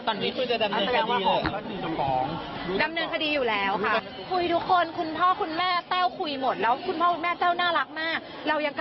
ตอนนี้คุณจะดำเนินคดีเลย